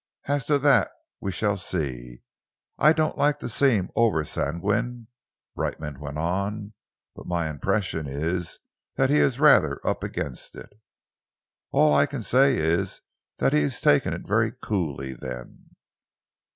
"As to that we shall see! I don't like to seem over sanguine," Brightman went on, "but my impression is that he is rather up against it." "All I can say is that he is taking it very coolly, then!"